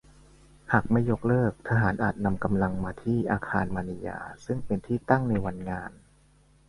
หากไม่ยกเลิกทหารอาจนำกำลังมาที่อาคารมณียาซึ่งเป็นที่ตั้งในวันงาน